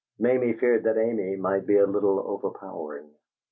Mamie feared that Ariel might be a little overpowering.